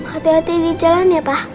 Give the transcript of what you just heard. hati hati di jalan ya pak